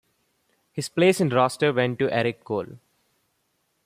His place in roster went to Erik Cole.